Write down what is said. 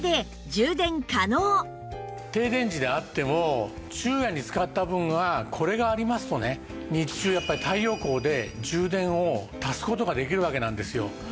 停電時であっても昼夜に使った分はこれがありますとね日中やっぱり太陽光で充電を足す事ができるわけなんですよ。